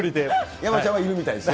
山ちゃんは、いるみたいです